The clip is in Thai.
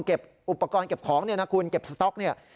อุปกรณ์เก็บของเนี่ยนะคุณเก็บสต๊อกเนี่ย